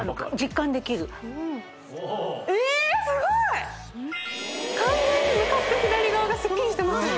今完全に向かって左側がスッキリしてますよね